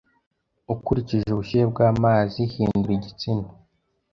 ukurikije ubushyuhe bwamazi Hindura igitsina